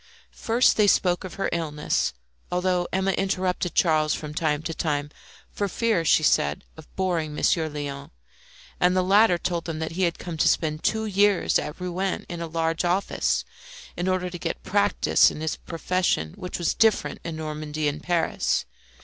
First they spoke of her illness, although Emma interrupted Charles from time to time, for fear, she said, of boring Monsieur Léon; and the latter told them that he had come to spend two years at Rouen in a large office, in order to get practice in his profession, which was different in Normandy and Paris.